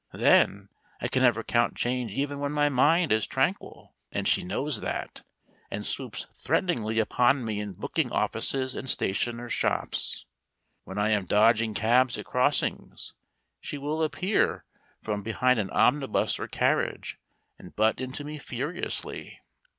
Then, I can never count change even when my mind is tranquil, and she knows that, and swoops threateningly upon me in booking offices and stationers' shops. When I am dodging cabs at crossings she will appear from behind an omnibus or carriage and butt into me furiously.